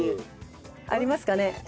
ありますかね？